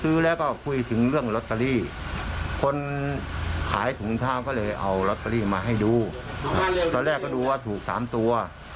เขาเอาใบตรวจถั่วไหล่ออกมาดูเรียงดูถูกหมดทั้ง๗ตัว